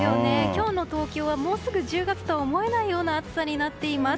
今日の東京はもうすぐ１０月とは思えない暑さになっています。